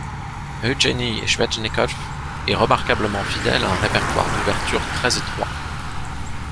Evgeny Svechnikov est remarquablement fidèle à un répertoire d'ouvertures très étroit.